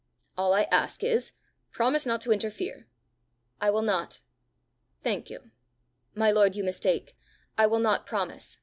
"All I ask is promise not to interfere." "I will not." "Thank you." "My lord, you mistake. I will not promise.